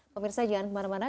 pemirsa jangan kemana mana